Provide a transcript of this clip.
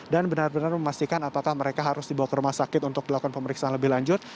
dan benar benar memastikan apakah mereka harus dibawa ke rumah sakit untuk dilakukan pemeriksaan lebih lanjut